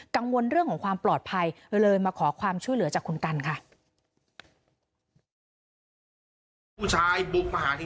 กังวลเรื่องของความปลอดภัยเลยมาขอความช่วยเหลือจากคุณกันค่ะ